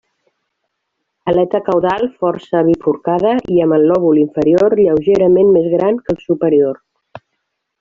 Aleta caudal força bifurcada i amb el lòbul inferior lleugerament més gran que el superior.